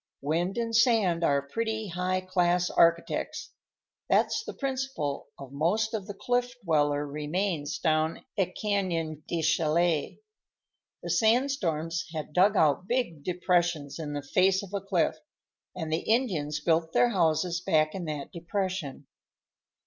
Wind and sand are pretty high class architects. That's the principle of most of the Cliff Dweller remains down at Canyon de Chelly. The sandstorms had dug out big depressions in the face of a cliff, and the Indians built their houses back in that depression."